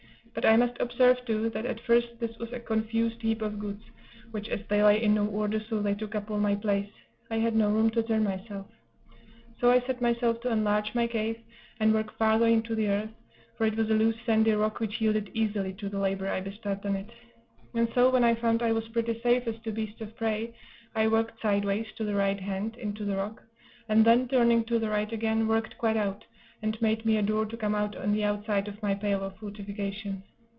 But I must observe, too, that at first this was a confused heap of goods, which, as they lay in no order, so they took up all my place I had no room to turn myself; so I set myself to enlarge my cave, and work farther into the earth, for it was a loose sandy rock, which yielded easily to the labor I bestowed on it; and so, when I found I was pretty safe as to beasts of prey, I worked sideways, to the right hand, into the rock; and then, turning to the right again, worked quite out, and made me a door to come out on the outside of my pale or fortification.